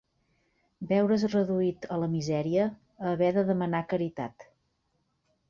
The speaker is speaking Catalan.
Veure's reduït a la misèria, a haver de demanar caritat.